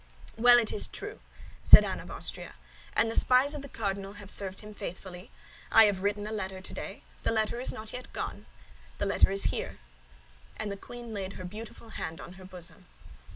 "Well, it is true!" said Anne of Austria; "and the spies of the cardinal have served him faithfully. I have written a letter today; that letter is not yet gone. The letter is here." And the queen laid her beautiful hand on her bosom.